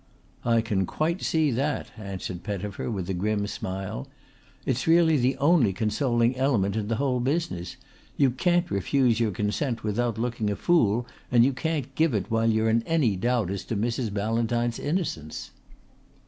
"I can quite see that," answered Pettifer with a grim smile. "It's really the only consoling element in the whole business. You can't refuse your consent without looking a fool and you can't give it while you are in any doubt as to Mrs. Ballantyne's innocence."